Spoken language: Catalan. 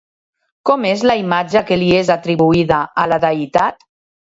Com és la imatge que li és atribuïda a la deïtat?